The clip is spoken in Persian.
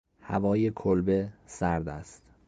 هوای کلبه سرد است.